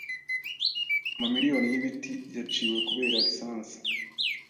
Amamiriyoni y'ibiti yaciwe kubera lisansi.